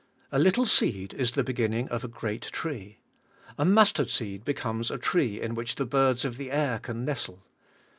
" A little seed is the beginning of a great tree. A mustard seed becomes a tree in which the birds of the air can nestle.